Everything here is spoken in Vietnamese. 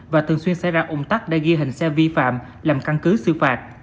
và thường xuyên xe ra ủng tắc để ghi hình xe vi phạm làm căn cứ sư phạt